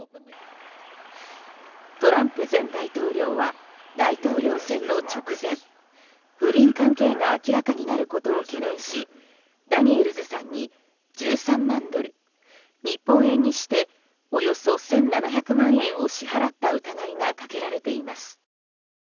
トランプ前大統領は大統領選の直前不倫関係が明らかになることを懸念しダニエルズさんに１３万ドル日本円にしておよそ１７００万円を支払った疑いがかけられています。